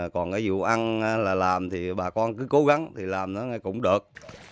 còn cái vụ ăn là làm thì bà con cứ cố gắng thì làm nó cũng được